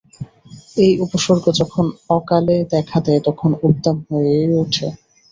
এই উপসর্গ যখন অকালে দেখা দেয় তখন উদ্দাম হয়েই ওঠে।